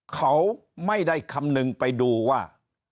เขาไม่ได้คำนึงไปดูว่า